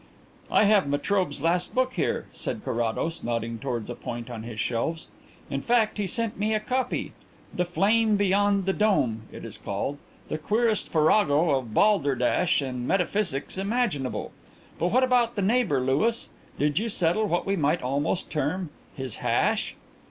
"I have Metrobe's last book there," said Carrados, nodding towards a point on his shelves. "In fact he sent me a copy. 'The Flame beyond the Dome' it is called the queerest farrago of balderdash and metaphysics imaginable. But what about the neighbour, Louis? Did you settle what we might almost term 'his hash'?"